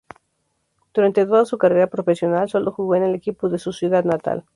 Durante toda su carrera profesional sólo jugó en el equipo de su ciudad natal.